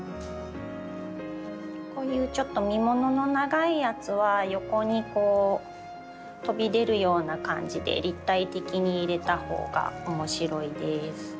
こういうちょっと実ものの長いやつは横にこう飛び出るような感じで立体的に入れたほうが面白いです。